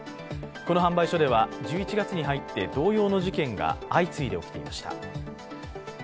この販売所では１１月に入って同様の事件が相次いで起きていました。